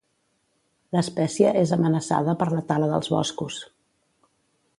L'espècie és amenaçada per la tala dels boscos.